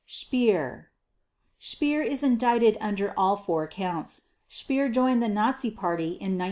SPEER Speer is indicted under all four Counts. Speer joined the Nazi Party in 1932.